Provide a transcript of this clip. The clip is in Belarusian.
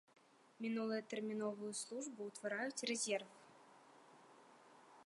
Мінулыя тэрміновую службу ўтвараюць рэзерв.